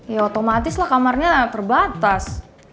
ya otomatis lah kamarnya terbatas